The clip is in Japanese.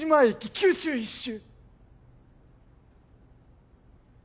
九州一周！